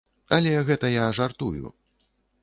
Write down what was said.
Але гэта я жартую.